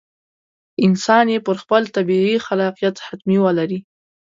انسان یې پر خپل طبیعي خلاقیت حتمي ولري.